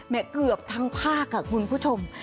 เกือบทั้งภาคค่ะคุณผู้ชม